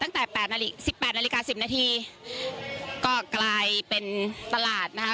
ตั้งแต่แปดนาฬิสิบแปดนาฬิกาสิบนาทีก็กลายเป็นตลาดนะคะ